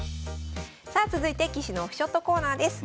さあ続いて棋士のオフショットコーナーです。